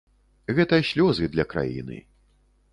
Гэта слёзы для краіны.